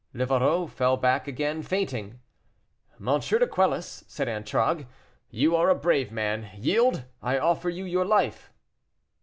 Livarot fell back again, fainting. "M. de Quelus," said Antragues, "you are a brave man; yield I offer you your life."